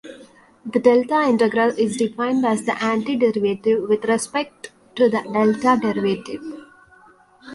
The "delta integral" is defined as the antiderivative with respect to the delta derivative.